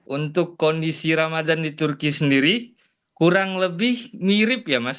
untuk kondisi ramadan di turki sendiri kurang lebih mirip ya mas